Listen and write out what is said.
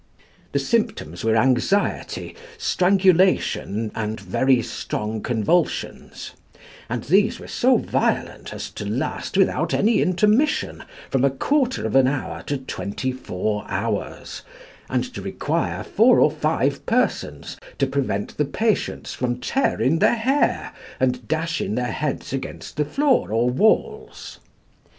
The symptoms were anxiety, strangulation, and very strong convulsions; and these were so violent as to last without any intermission from a quarter of an hour to twenty four hours, and to require four or five persons to prevent the patients from tearing their hair and dashing their heads against the floor or walls.